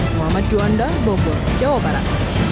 muhammad juanda bogor jawa barat